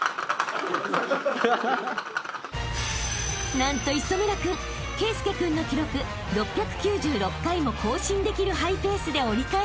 ［何と磯村君圭佑君の記録６９６回も更新できるハイペースで折り返し］